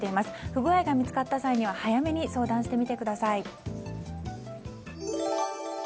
不具合が見つかった際には早めに相談してみてください。